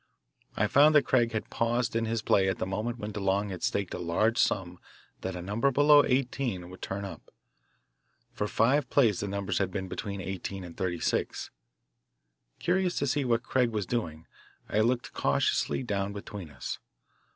I found that Craig had paused in his play at a moment when DeLong had staked a large sum that a number below "18" would turn up for five plays the numbers had been between "18" and "36." Curious to see what Craig was doing, I looked cautiously down between us.